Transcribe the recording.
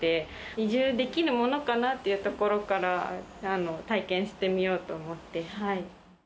移住できるものかなっていうところから、体験してみようと思って。